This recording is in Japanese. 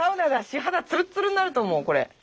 肌ツルッツルになると思うこれ。